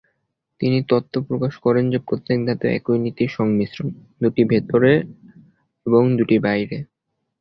তিনি তত্ত্ব প্রকাশ করেন যে প্রত্যেক ধাতু এই নীতির সংমিশ্রণ, দুটি ভেতরে এবং দুটি বাইরে।